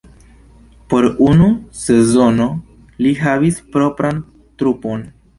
Por unu sezono li havis propran trupon.